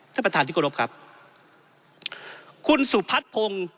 ท่านประทานธิกรพครับคุณซุพัทธผง